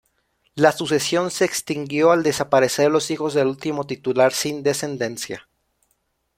La sucesión se extinguió al desaparecer los hijos del último titular sin descendencia.